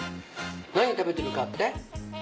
何食べてるかって？